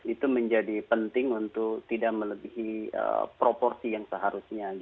itu menjadi penting untuk tidak melebihi proporsi yang seharusnya